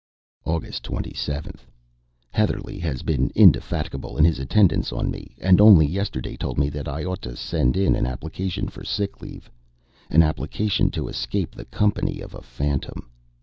August 27. Heatherlegh has been indefatigable in his attendance on me; and only yesterday told me that I ought to send in an application for sick leave. An application to escape the company of a phantom!